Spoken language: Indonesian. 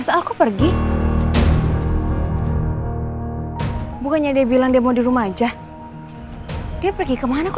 kalau yang sama dengan lo